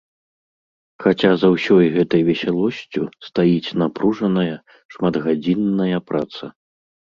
Хаця за ўсёй гэтай весялосцю стаіць напружаная, шматгадзінная праца.